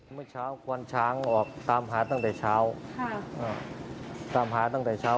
เมื่อเช้าควานช้างออกตามหาตั้งแต่เช้า